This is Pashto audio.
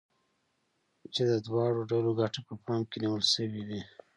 چې د دواړو ډلو ګټه په پام کې نيول شوې وي.